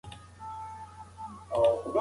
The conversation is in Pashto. ماشوم غوښتل چې د انا پام خپلې مسکا ته واړوي.